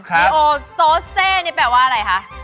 ดีโอโซเซนี่แปลว่าอะไรคะ